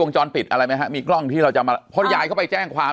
จรปิดอะไรไหมฮะมีกล้องที่เราจะมาเพราะยายเข้าไปแจ้งความ